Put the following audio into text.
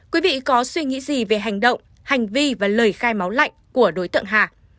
quý vị có suy nghĩ gì về hành động hành vi và lời khai máu lạnh của đối tượng hà